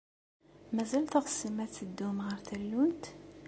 Mazal teɣsem ad teddum ɣer tallunt?